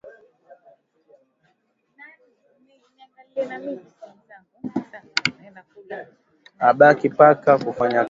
abaki paka ku fanya kazi ya ku nyumba mama eko na haki ya